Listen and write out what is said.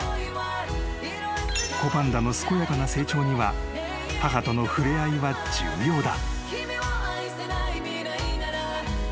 ［子パンダの健やかな成長には母との触れ合いは重要だ］